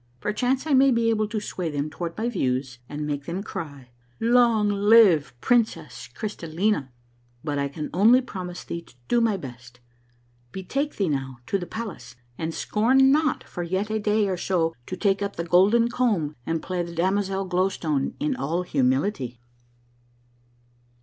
Perchance I may be able to sway them toward my views, and make them cry, ' Long live princess Crystallina !' but I can only promise thee to do my best. Betake thee now to the palace, and scorn not for yet a day or so to take up the golden comb and play the damozel Glow Stone in all humility."